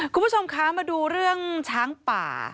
คุณผู้ชมคะมาดูเรื่องช้างป่า